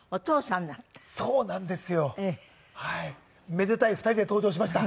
めでたい２人で登場しました。